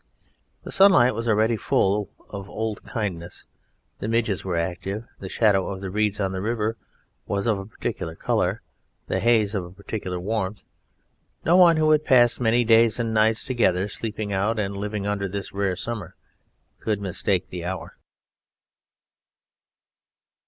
The sunlight was already full of old kindness, the midges were active, the shadow of the reeds on the river was of a particular colour, the haze of a particular warmth; no one who had passed many days and nights together sleeping out and living out under this rare summer could mistake the hour.